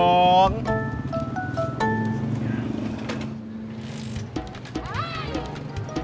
eh kacang hijau